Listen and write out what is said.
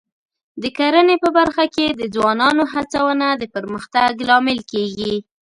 د کرنې په برخه کې د ځوانانو هڅونه د پرمختګ لامل کېږي.